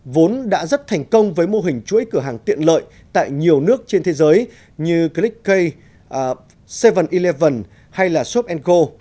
vốn đã rất thành công với mô hình chuỗi cửa hàng tiện lợi tại nhiều nước trên thế giới như clickk bảy eleven hay shop go